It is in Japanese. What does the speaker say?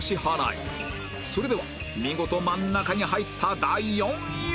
それでは見事真ん中に入った第４位は